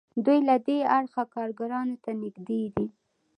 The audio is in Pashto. دوی له دې اړخه کارګرانو ته نږدې دي.